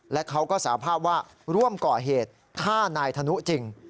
และเขาก็สาภาพว่าร่วมก่อเหตุฆ่านายธนุจริง